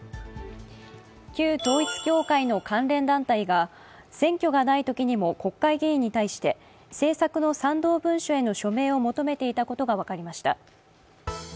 旧統一教会の関連団体が選挙がないときにも国会議員に対して政策の賛同文書への署名を求めていたことが分かりました。